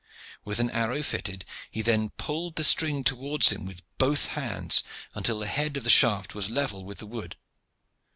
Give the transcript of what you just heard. With an arrow fitted, he then pulled the string towards him with both hands until the head of the shaft was level with the wood.